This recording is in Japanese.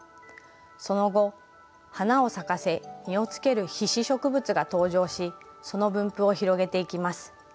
その後花を咲かせ実をつける被子植物が登場しその分布を広げていきます。